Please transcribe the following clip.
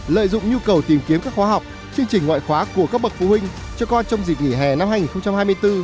lợi dụng nhu cầu tìm kiếm các khóa học chương trình ngoại khóa của các bậc phụ huynh cho con trong dịp nghỉ hè năm hai nghìn hai mươi bốn